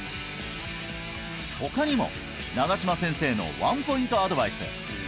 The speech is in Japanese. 他にも永島先生のワンポイントアドバイス